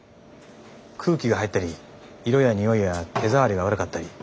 空気が入ったり色や匂いや手触りが悪かったり。